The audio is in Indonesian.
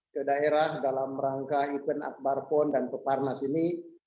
ke daerah dalam rangka event akbar pon dan peparnas ini